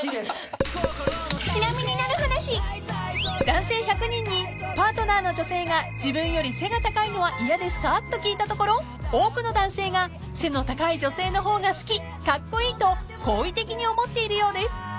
［男性１００人に「パートナーの女性が自分より背が高いのは嫌ですか？」と聞いたところ多くの男性が「背の高い女性の方が好き」「カッコイイ」と好意的に思っているようです］